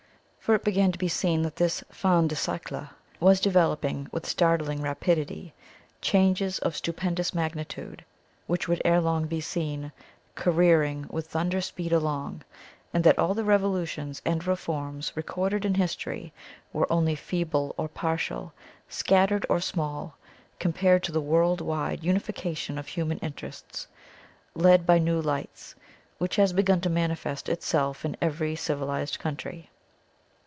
For it began to be seen that this fin de siècle was developing with startling rapidity changes of stupendous magnitude, which would ere long be seen "careering with thunder speed along," and that all the revolutions and reforms recorded in history were only feeble or partial, scattered or small, compared to the world wide unification of human interests, led by new lights, which has begun to manifest itself in every civilized country.